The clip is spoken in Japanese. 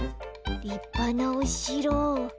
りっぱなおしろ。